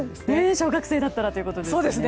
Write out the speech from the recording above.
小学生だったらということですね。